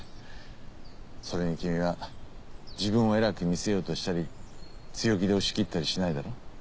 それに君は自分を偉く見せようとしたり強気で押し切ったりしないだろ。